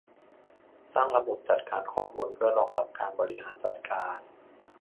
สร้างระบบจัดการข้อมูลเพื่อรองรับการบริหารจัดการ